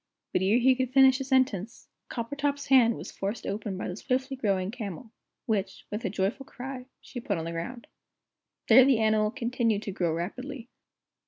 But ere he could finish a sentence, Coppertop's hand was forced open by the swiftly growing camel, which, with a joyful cry, she put on the ground. There the animal continued to grow rapidly.